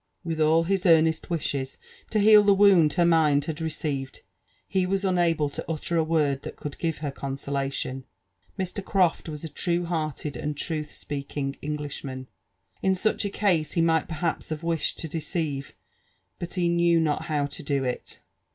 With all his earnest wishes to heal the wound her mind had receiTed, he was unable to utter a word that could give her consolation. Mr. Croft was a true hearted and truth speaking Englishman. In such a cause be might perhaps have wished to deceive ; but he knew not how to do it.